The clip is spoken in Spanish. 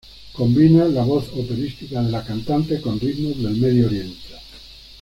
Combina la voz operística de la cantante, con ritmos del Medio Oriente.